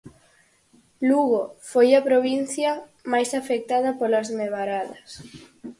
Lugo foi a provincia máis afectada polas nevaradas.